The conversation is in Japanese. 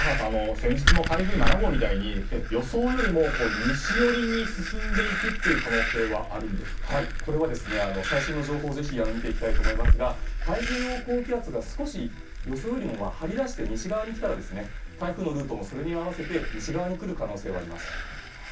先日の台風７号みたいに予想よりも西寄りに進んでいくという可能性はこれは、最新の情報を見ていきたいと思いますが太平洋高気圧が予想よりも張り出して西側に来たら台風のルートもそれに合わせて西側に来る可能性はあります。